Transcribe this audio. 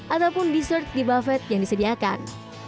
ataupun dessert di buffet yang disediakan